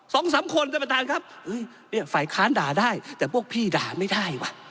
สองสามคนท่านประธานครับเฮ้ยเนี่ยฝ่ายค้านด่าได้แต่พวกพี่ด่าไม่ได้ว่ะ